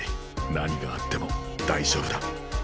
何があっても大丈夫だ。